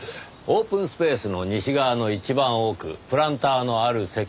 オープンスペースの西側の一番奥プランターのある席。